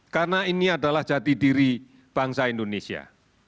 karena ini adalah jati diri bangsa indonesia